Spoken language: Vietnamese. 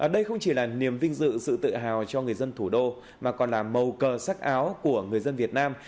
đây không chỉ là niềm vinh dự sự tự hào cho người dân thủ đô mà còn là màu cờ sắc áo của người dân việt nam